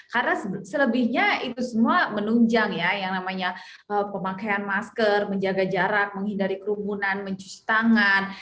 karena selebihnya itu semua menunjang ya yang namanya pemakaian masker menjaga jarak menghindari kerumunan mencuci tangan